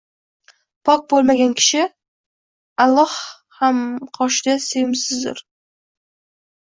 Pok bo’lmagan kishi Alloh ham xalq qoshida sevimsizdur